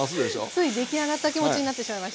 つい出来上がった気持ちになってしまいました。